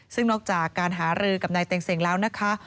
ซึ่งนอกจากการหารือกับนายเต็งเซ็งแล้วนะคะ